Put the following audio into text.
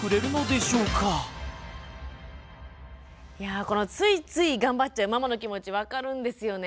いやこのついつい頑張っちゃうママの気持ち分かるんですよね。